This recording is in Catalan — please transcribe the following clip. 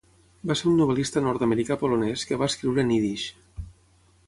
Va ser un novel·lista nord-americà polonès que va escriure en ídix.